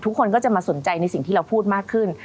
ทุกคนก็จะมาสนใจในสิ่งที่เราพูดมากขึ้น